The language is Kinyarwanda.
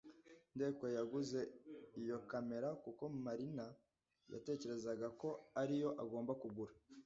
Ndekwe yaguze iyo kamera kuko Marina yatekerezaga ko ari yo agomba kugura.